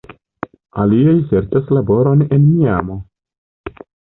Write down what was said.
Aliaj serĉas laboron en Miamo.